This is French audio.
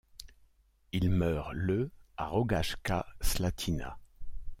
Il meurt le à Rogaška Slatina.